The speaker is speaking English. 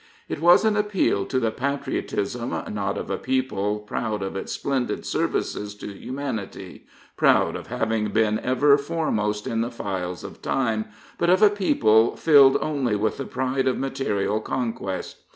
It was an appeal to the patriotism not of a people proud of its splendid services to humanity, proud of having been ever " foremost in the files of time,'" but of a people filled only with the pride of material conquest.